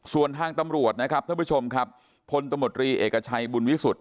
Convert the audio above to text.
ส่วนทางตำรวจนะครับท่านผู้ชมครับพลตมตรีเอกชัยบุญวิสุทธิ